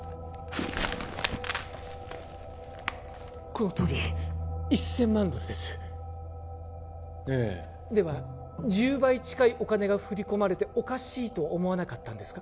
このとおり１千万ドルですええでは１０倍ちかいお金が振り込まれておかしいと思わなかったんですか？